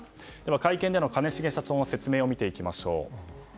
会見での兼重社長の説明を見ていきましょう。